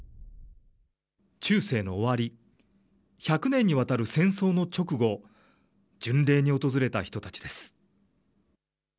中世の終わり、１００年にわたる戦争の直後、巡礼に訪れた人たちです。